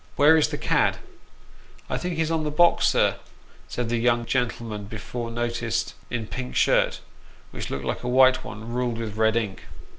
" Where is the cad ?"" I think he's on the box, sir," said the young gentleman before noticed in the pink shirt, which looked like a white one ruled with red ink.